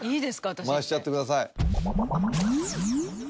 私いって回しちゃってください